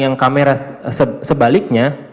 yang kamera sebaliknya